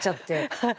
はい。